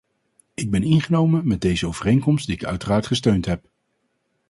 Ik ben ingenomen met deze overeenkomst die ik uiteraard gesteund heb.